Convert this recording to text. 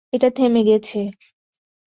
এটা থেমে গেছে।